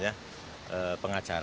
nanti saya angkat sendiri